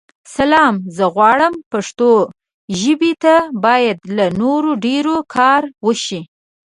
سلام؛ زه غواړم پښتو ژابې ته بايد لا نور ډير کار وشې.